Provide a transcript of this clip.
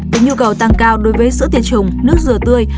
được nhu cầu tăng cao đối với sữa tiệt trùng nước dừa tươi